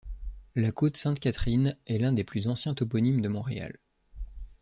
La Côte Sainte-Catherine est l'un des plus anciens toponymes de Montréal.